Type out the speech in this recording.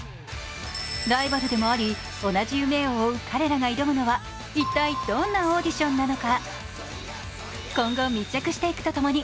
ライバルでもあり、同じ夢を追う彼らが挑むのは一体、どんなオーディションなのか